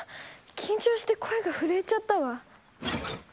緊張して声が震えちゃったわ。